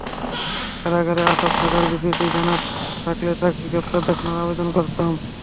কারাগারে আটক থাকার বিষয়টি জানা থাকলে তাঁকে গ্রেপ্তার দেখানোর আবেদন করতাম।